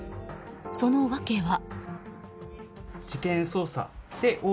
その訳は。